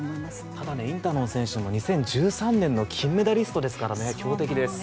ただ、インタノン選手も２０１３年の金メダリスト強敵です。